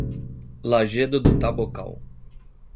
Lajedo do Tabocal